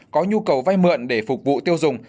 có nhu cầu vay mượn để phục vụ tiêu dùng